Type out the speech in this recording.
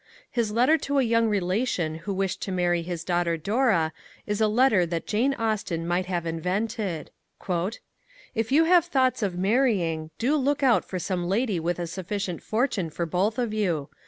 His letter to a young relation who wished to marry his daughter Dora is a letter that Jane Austen might have invented: If you have thoughts of marrying, do look out for some lady with a sufficient fortune for both of you.